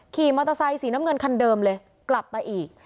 ขี่มอเตอร์ไซค์สีน้ำเงินคันเดิมเลยกลับมาอีก